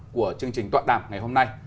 của chương trình toàn đàm ngày hôm nay